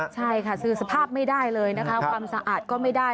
ใช่ค่ะสื่อสภาพไม่ได้เลยนะคะความสะอาดก็ไม่ได้